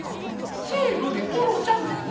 「せの」で「オロちゃん」ですよ。